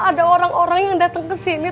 ada orang orang yang datang kesini